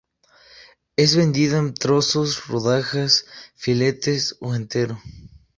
Es vendido en trozos, rodajas, filetes o entero.